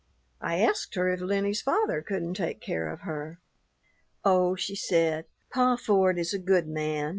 I asked her if Lennie's father couldn't take care of her. "Oh," she said, "Pa Ford is a good man.